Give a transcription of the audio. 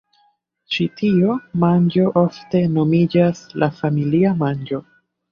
Ĉi tiu manĝo ofte nomiĝas la familia manĝo.